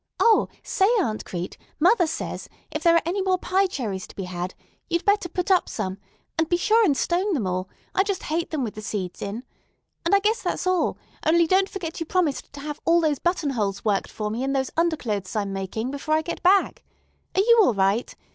O, say, Aunt Crete, mother says, if there's any more pie cherries to be had, you better put up some; and be sure and stone them all. I just hate them with the seeds in. And I guess that's all; only don't forget you promised to have all those buttonholes worked for me in those underclothes I'm making, before I get back. Are you all right?